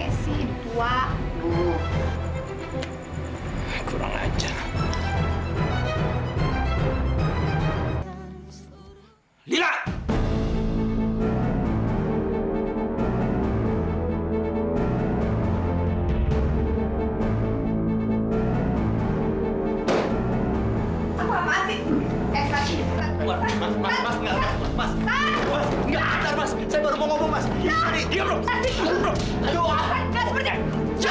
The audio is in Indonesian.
eh tolong aku belum selesai